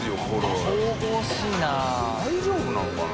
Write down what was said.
大丈夫なのかな？